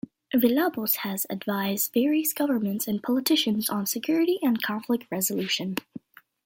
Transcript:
Villalobos has advised various governments and politicians on security and conflict resolution.